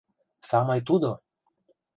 — Самый тудо!..